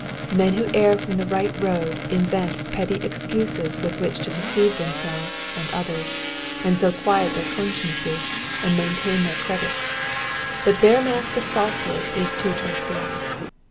Men who err from the right road invent pretty excuses with which to deceive themselves and others, and so quiet their consciences and main tain their credits ; but their mask of falsehood is too transparent.